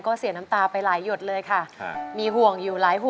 ก็เสียน้ำตาไปหลายหยดเลยค่ะ